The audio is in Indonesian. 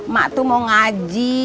mak tuh mau ngaji